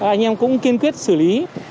anh em cũng kiên quyết xử lý